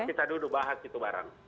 coba kita duduk bahas itu barang